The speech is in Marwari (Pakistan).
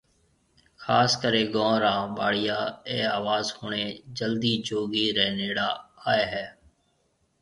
خاص ڪري گون را ٻاڙيا اي آواز ۿڻي جلدي جوگي ري نيڙا آوي ھيَََ